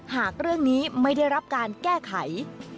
หากเรื่องนี้ไม่ได้รับการแก้ไข